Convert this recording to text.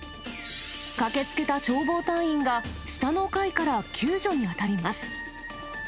駆けつけた消防隊員が、下の階から救助に当たります。